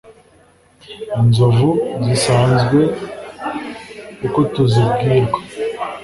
inzovu zisanzwe uko tuzibwirwa